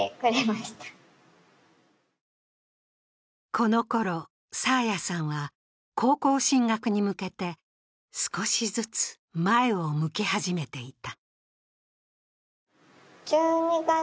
このころ、爽彩さんは高校進学に向けて少しずつ前を向き始めていた。